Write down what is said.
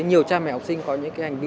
nhiều cha mẹ học sinh có những hành vi